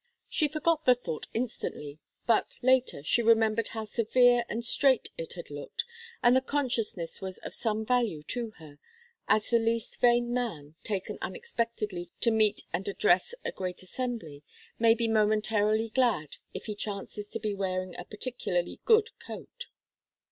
She forgot the thought instantly, but, later, she remembered how severe and straight it had looked, and the consciousness was of some value to her as the least vain man, taken unexpectedly to meet and address a great assembly, may be momentarily glad if he chances to be wearing a particularly good coat.